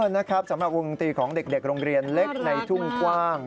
นะครับสำหรับวงดนตรีของเด็กโรงเรียนเล็กในทุ่งกว้าง